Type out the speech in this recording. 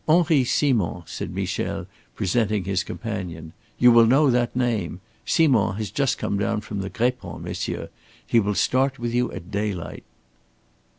"Henri Simond!" said Michel, presenting his companion. "You will know that name. Simond has just come down from the Grépon, monsieur. He will start with you at daylight."